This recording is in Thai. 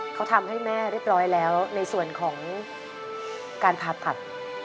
เขาทำให้แม่เรียบร้อยแล้วในส่วนของการผ่าตัด